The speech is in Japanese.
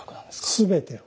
全てを。